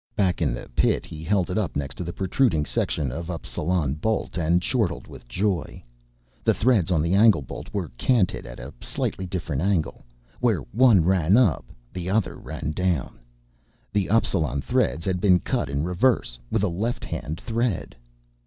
Back in the pit he held it up next to the protruding section of Appsalan bolt and chortled with joy. The threads on the angle bolt were canted at a slightly different angle: where one ran up, the other ran down. The Appsalan threads had been cut in reverse, with a lefthand thread.